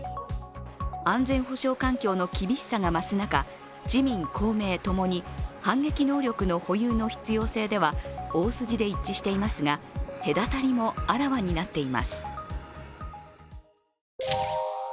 安全保障環境の厳しさが増す中、自民・公明共に反撃能力の保有の必要性では大筋で一致していますが、隔たりもあらわになっています。